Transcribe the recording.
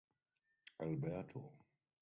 Alberto.